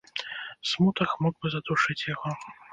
Смутак мог бы задушыць яго.